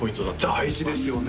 大事ですよね